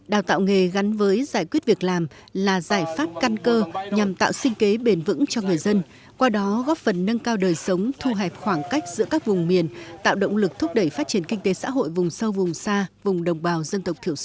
đào tạo nghề gắn với giải quyết việc làm là giải pháp căn cơ nhằm tạo sinh kế bền vững cho người dân qua đó góp phần nâng cao đời sống thu hẹp khoảng cách giữa các vùng miền tạo động lực thúc đẩy phát triển kinh tế xã hội vùng sâu vùng xa vùng đồng bào dân tộc